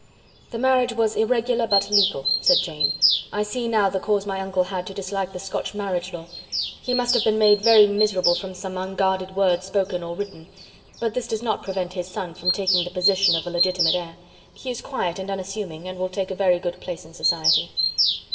"The marriage was irregular, but legal," said Jane. "I see now the cause my uncle had to dislike the Scotch marriage law. He must have been made very miserable from some unguarded words spoken or written; but this does not prevent his son taking the position of a legitimate heir. He is quiet and unassuming, and will take a very good place in society."